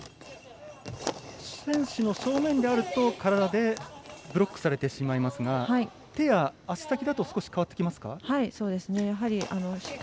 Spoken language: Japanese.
選手の正面であると体でブロックされてしまいますが手や足先だと少し変わってきますか。